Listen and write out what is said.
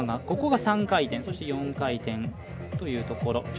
３回転そして４回転というところ。